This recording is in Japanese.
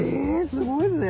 すごいですね。